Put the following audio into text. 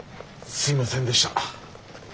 すいませんでした。